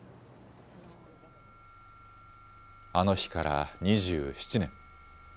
あの日から２７年。